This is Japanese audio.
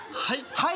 「はい？」